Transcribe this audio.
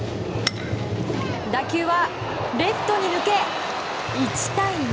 打球はレフトに抜け、１対２。